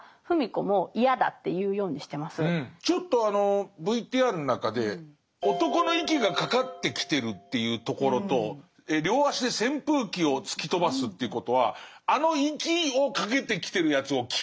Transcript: ちょっとあのＶＴＲの中で男の息がかかって来てるというところと両足で扇風器を突き飛ばすということはあの息をかけてきてるやつを機械としてるってこと？